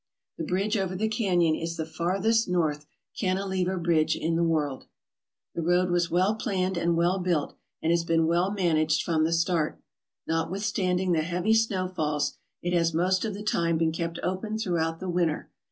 The bridge over the canyon is the farthest north cantilever bridge in the world, The road was well planned and well built, and has been well managed from the start. Notwithstanding the heavy snowfalls, it has most of the time been kept open throughout the winter.